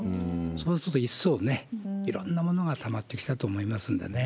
そうすると、一層ね、いろんなものがたまってきたと思いますんでね。